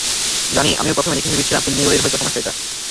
জানি, আমিও প্রথমে দেখে ভেবেছিলাম ফিল্মের রোলের হয়তো সমস্যা এটা।